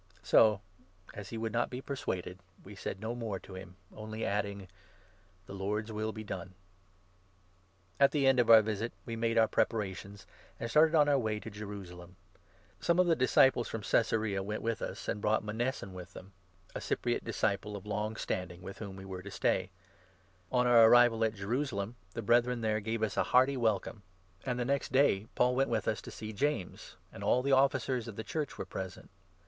So, as he would not be persuaded, we said no more to him, 14 only adding — "The Lord's will be done." Pau| At the end of our visit, we made our prepara 15 arrives at tions, and started on our way up to Jerusalem. Jerusalem. Some of the disciples from Caesarea went with 16 us, and brought Mnason with them, a Cypriot disciple of long standing, with whom we were to stay. On our arrival 17 at Jerusalem, the Brethren there gave us a hearty welcome ; and the next day Paul went with us to see James, and all the 18 Officers of the Church were present.